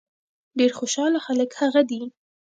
ډېر خوشاله خلک هغه دي.